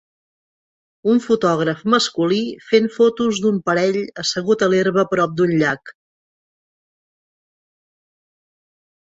Un fotògraf masculí fent fotos d'un parell assegut a l'herba prop d'un llac.